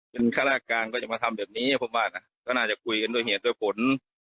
เป็นคลาศการก็จะมาทำแบบนี้ผมว่าน่าจะคุยกันโดยเหตุโดยผล